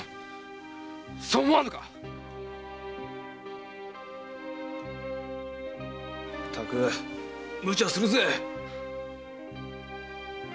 そう思わぬか⁉ったく無茶するぜ！